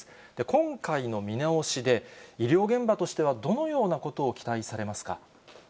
今回の見直しで、医療現場としてはどのようなことを期待されますか？